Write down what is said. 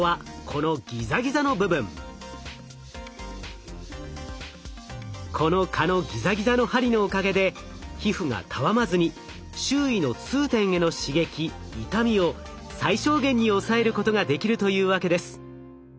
この蚊のギザギザの針のおかげで皮膚がたわまずに周囲の痛点への刺激痛みを最小限に抑えることができるというわけです。